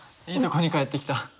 いいとこに帰ってきた。